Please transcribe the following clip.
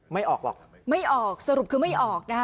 ไม่ออกหรอกไม่ออกสรุปคือไม่ออกนะคะ